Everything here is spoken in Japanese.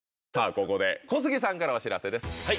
ここで小杉さんからお知らせです。